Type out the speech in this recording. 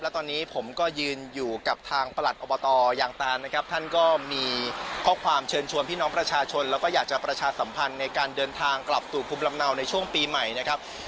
และตอนนี้ผมก็ยืนอยู่กับทางประหลัดอบตยางตานนะครับท่านก็มีข้อความเชิญชวนพี่น้องประชาชนแล้วก็อยากจะประชาสัมพันธ์ในการเดินทางกลับสู่ภูมิลำเนาในช่วงปีใหม่นะครับ